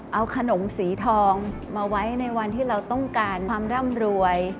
เอาขนมสีทองมาไว้ในวันที่เราต้องการความร่ำรวย